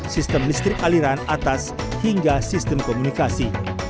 sistem listrik aliran atas hingga sistem komunikasi